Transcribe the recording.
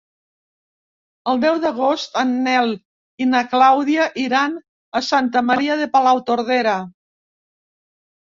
El deu d'agost en Nel i na Clàudia iran a Santa Maria de Palautordera.